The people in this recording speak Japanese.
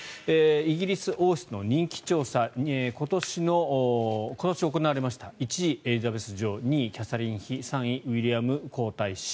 イギリス王室の人気調査今年行われました１位、エリザベス女王２位、キャサリン妃３位、ウィリアム皇太子。